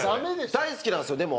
大好きなんですよでも。